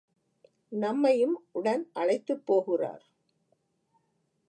நம்மையும் உடன் அழைத்துப் போகிறார்.